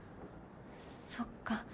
そっか。